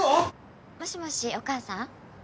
もしもしお母さん？